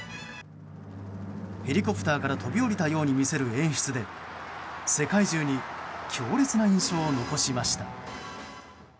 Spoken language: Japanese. ヘリコプターから飛び降りたように見せる演出で世界中に強烈な印象を残しました。